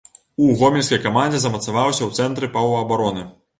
У гомельскай камандзе замацаваўся ў цэнтры паўабароны.